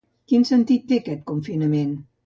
Quin sentit té aquest confinament?